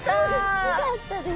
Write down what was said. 大きかったです。